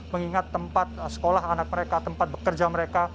mengingat tempat sekolah anak mereka tempat bekerja mereka